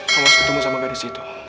kamu harus ketemu sama gadis itu